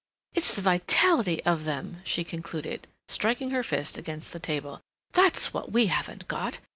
"It's the vitality of them!" she concluded, striking her fist against the table. "That's what we haven't got!